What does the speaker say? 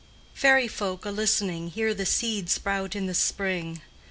Fairy folk a listening Hear the seed sprout in the spring.